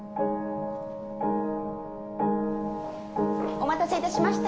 ・お待たせいたしました。